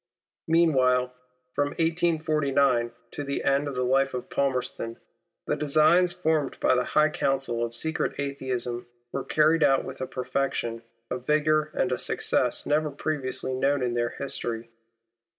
Meanwhile, from 1849 to the end of the life of Palmerston, the designs formed by the high council of secret Atheism, were carried out with a perfection, a vigour, and a success never previously known in their history.